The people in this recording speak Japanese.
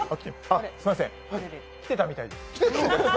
あっ、すみません、来てたみたいです。